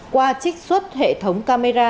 qua trích xuất hệ thống camera